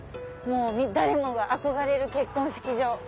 誰もが憧れる結婚式場。